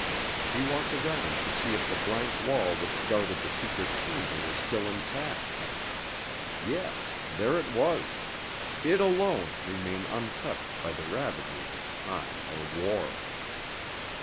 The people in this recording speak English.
He walked around to see if the blank wall which guarded the secret chamber was still intact. Yes, there it was; it alone remained untouched by the ravages of time or war.